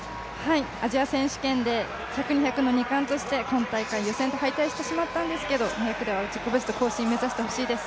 アジア選手権で１００、２００の２冠として今大会、予選敗退してしましたんですが、２００では自己ベスト目指して頑張ってほしいです。